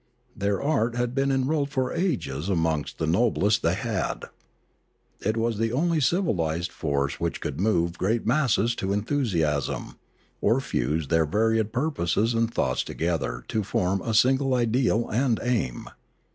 Their art had been enrolled for ages amongst the noblest they had. It was the only civilised force which could move great masses to enthusiasm, or fuse their varied pur poses and thoughts together to form a single ideal and aim.